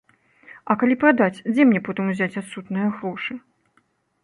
А калі прадаць, дзе мне потым узяць адсутныя грошы?